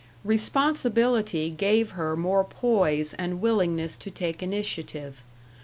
Responsibility gave her more poise and willingness to take initiative.